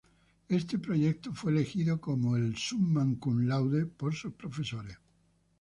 Este proyecto fue elegido como el "summa cum laude" por sus profesores.